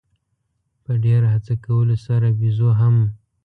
په ډېره هڅه کولو سره بېزو هم.